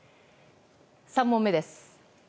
３問目です。